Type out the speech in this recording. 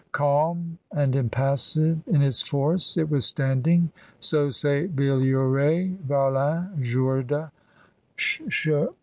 "Calm and impassive in its force, it was standing (so say Billoray, Varlin, Jourde, Ch.